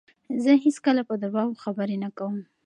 زه هیڅکله په درواغو خبرې نه کوم.